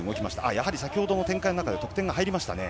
やはり先ほどの展開の中で得点が入りましたね。